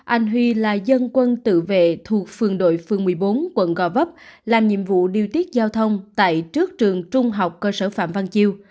anh huy là dân quân tự vệ thuộc phường đội phương một mươi bốn quận gò vấp làm nhiệm vụ điều tiết giao thông tại trước trường trung học cơ sở phạm văn chiêu